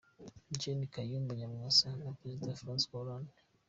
Gen. Kayumba Nyamwasa na Perezida Francois Hollande